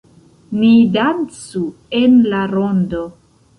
Ni dancu en la rondo.